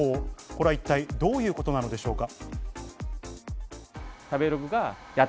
これは一体どういうことなのでしょうか？